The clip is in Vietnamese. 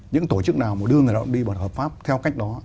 những tổ chức nào mà đưa người lao động đi bất hợp pháp theo cách đó